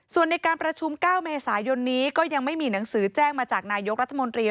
ส่วนในการประชุม๙เมษายนนี้ก็ยังไม่มีหนังสือแจ้งมาจากนายกรัฐมนตรี